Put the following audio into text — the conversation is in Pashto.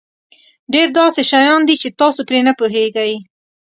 ډېر داسې شیان دي چې تاسو پرې نه پوهېږئ.